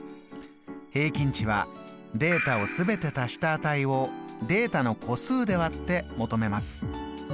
平均値はデータを全て足した値をデータの個数で割って求めます。